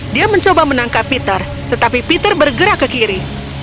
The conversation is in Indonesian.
dia mencoba menangkap peter tetapi peter bergerak ke kiri